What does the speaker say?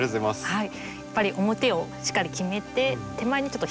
はい。